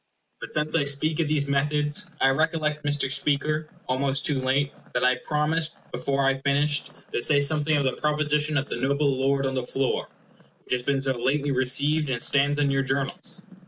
But since I speak of these methods, I recollect, Mr. Speaker, almost too late, that I promised, before I finished, to say something of the proposition of the noble lord on the floor, which has been so lately received and stands on your Journals.